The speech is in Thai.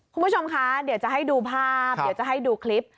คุณผู้ชมคะเดี๋ยวจะให้ดูภาพเดี๋ยวจะให้ดูคลิป